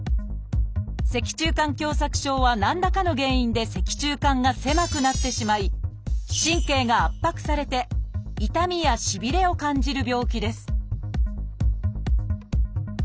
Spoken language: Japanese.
「脊柱管狭窄症」は何らかの原因で脊柱管が狭くなってしまい神経が圧迫されて痛みやしびれを感じる病気です